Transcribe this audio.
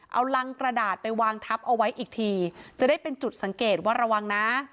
เอารังกระดาษไปวางทับเอาไว้อีกทีจะได้เป็นจุดสังเกตว่าระวังนะ